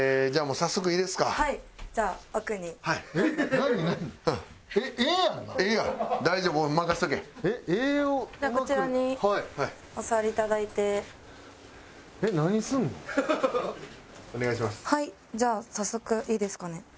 じゃあ早速いいですかね？